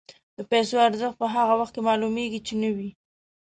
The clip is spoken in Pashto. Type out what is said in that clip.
د پیسو ارزښت په هغه وخت کې معلومېږي چې نه وي.